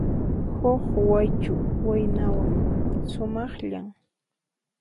Huk Waychu waynawan, sumaqllan.